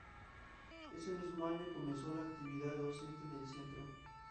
Ese mismo año comenzó la actividad docente del centro.